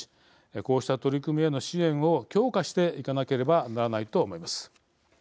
こうした取り組みへの支援を強化していかなければならないと思います。